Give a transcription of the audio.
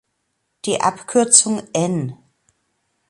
Die Abkürzung "N.